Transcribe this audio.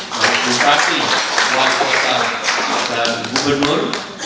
beri terima kasih kepada pemerintah dan gubernur